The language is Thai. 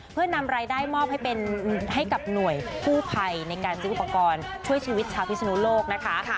เพื่อนำรายได้มอบให้เป็นให้กับหน่วยกู้ภัยในการซื้ออุปกรณ์ช่วยชีวิตชาวพิศนุโลกนะคะ